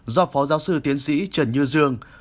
do phó giáo sư tiến sĩ trần như dương